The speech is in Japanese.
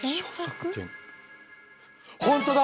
本当だ！